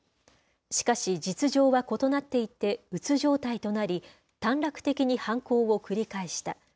しかし、実情は異なっていて、うつ状態となり、短絡的に犯行を繰り返した。